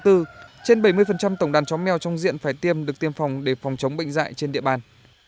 trên bảy mươi tổng đàn chó mèo trong diện phải tiêm được tiêm phòng để phòng chống bệnh dạy trên địa bàn